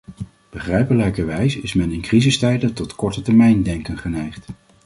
Begrijpelijkerwijs is men in crisistijden tot kortetermijndenken geneigd.